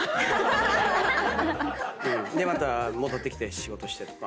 また戻ってきて仕事したりとか。